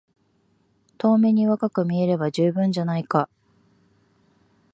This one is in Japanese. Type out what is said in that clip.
遠目に若く見えれば充分じゃないか。